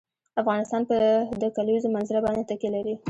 افغانستان په د کلیزو منظره باندې تکیه لري.